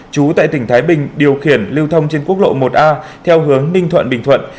chú tại tỉnh thái bình điều khiển lưu thông trên quốc lộ một a theo hướng ninh thuận bình thuận